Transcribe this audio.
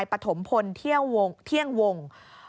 นี่ค่ะคุณผู้ชมพอเราคุยกับเพื่อนบ้านเสร็จแล้วนะน้า